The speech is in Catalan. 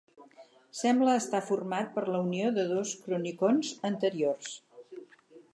Sembla estar format per la unió de dos cronicons anteriors.